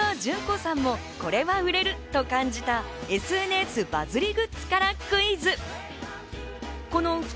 そんなｊｕｎｋｏさんもこれは売れると感じたＳＮＳバズりグッズからクイズ。